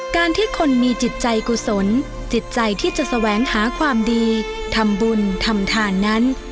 การที่คนมีจิตใจกุศลจิตใจที่จะแสวงหาความดีทำบุญทำทานนั้น